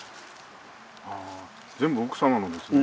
全部奥様のですね